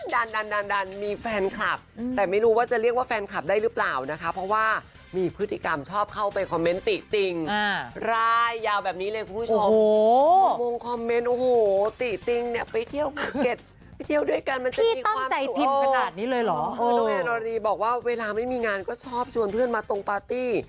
เด็กน้องคุณไม่อยากมีสักที